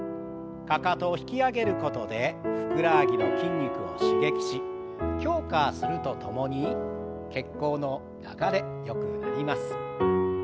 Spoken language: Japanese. かかとを引き上げることでふくらはぎの筋肉を刺激し強化するとともに血行の流れよくなります。